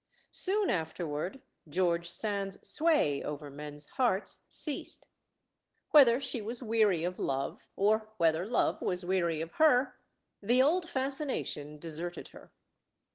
Soon afterward George Sand's sway over men's hearts ceased. Whether she was weary of love, or whether love was weary of her, the old fascination deserted her.